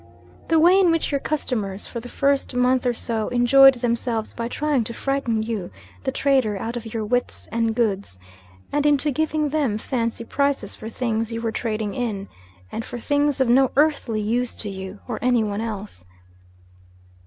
The way in which your customers, for the first month or so, enjoyed themselves by trying to frighten you, the trader, out of your wits and goods, and into giving them fancy prices for things you were trading in, and for things of no earthly use to you, or any one else!